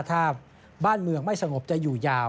ถ้าบ้านเมืองไม่สงบจะอยู่ยาว